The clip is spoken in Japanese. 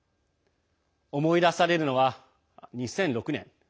思い出されるのは２００６年。